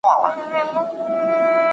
که سترګه وي نو لیدل نه پاتې کیږي.